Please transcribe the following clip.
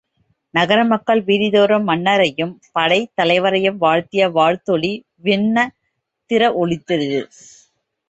நகர மக்கள் வீதிதோறும் மன்னரையும் படைத் தலைவரையும் வாழ்த்திய வாழ்த்தொலி விண்ணதிர ஒலித்தது.